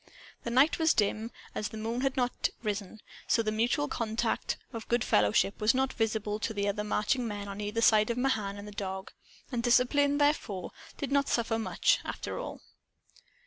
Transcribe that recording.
The night was dim, as the moon had not risen; so the mutual contact of good fellowship was not visible to the marching men on either side of Mahan and the dog. And discipline, therefore, did not suffer much, after all.